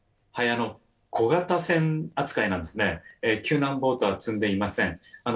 小型船扱いなんですね、救難ボートは積んでいません。